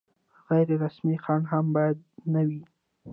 غیر رسمي خنډ هم باید نه وي.